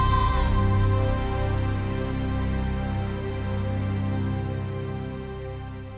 พวกคุณจะทำกันยังไง